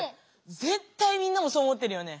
ぜったいみんなもそう思ってるよね。